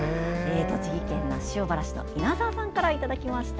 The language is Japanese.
栃木県那須塩原市の稲沢さんからいただきました。